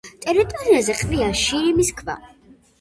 ტერიტორიაზე ყრია შირიმის ქვა.